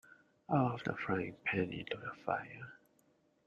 Out of the frying pan into the fire.